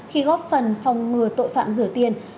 khi góp phần phòng ngừa tội phạm rửa tiền